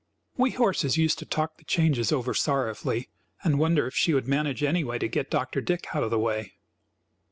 We horses used to talk the changes over sorrowfully, and wonder if she would manage anyway to get Dr. Dick out of the way.